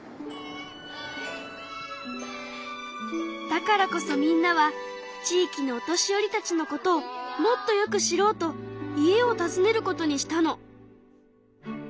だからこそみんなは地域のお年寄りたちのことをもっとよく知ろうと家を訪ねることにしたの。